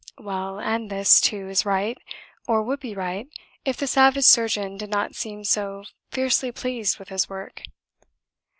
Well, and this, too, is right, or would be right, if the savage surgeon did not seem so fiercely pleased with his work.